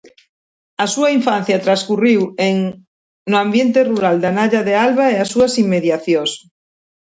Su infancia transcurrió en el ambiente rural de Anaya de Alba y sus inmediaciones.